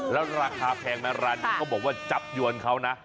แล้วราคาแพงไหมร้านนี้เขาบอกว่าจับยวนเขานะ